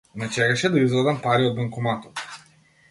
Ме чекаше да извадам пари од банкоматот.